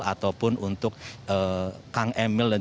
ataupun untuk kata kata yang diberikan oleh warga